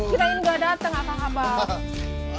kirain gak dateng apa kabar